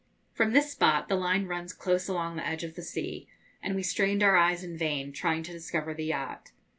From this spot the line runs close along the edge of the sea, and we strained our eyes in vain, trying to discover the yacht.